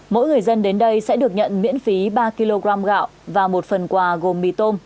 mỗi người dân đến đây sẽ được nhận miễn phí ba kg gạo và một phần quà gồm mì tôm